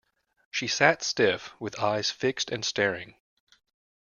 She sat stiff, with eyes fixed and staring.